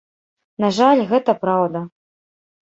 На жаль, гэта праўда.